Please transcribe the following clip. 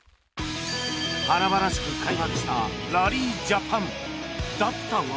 華々しく開幕したラリージャパンだったが。